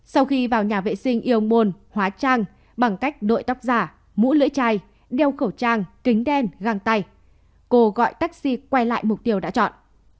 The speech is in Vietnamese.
sau khi vào nhà vệ sinh yêu môn hóa trang bằng cách đội tóc giả mũ lưỡi chai đeo khẩu trang kính đen găng tay cô gọi taxi quay lại mục tiêu đã chọn